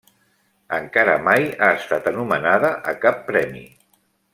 Encara mai ha estat anomenada a cap premi.